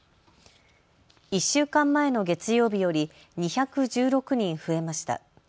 １週間前の月曜日より２１６人増えました。